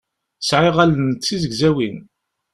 Sɛiɣ allen d tizegzawin.